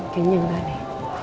kayaknya gak nih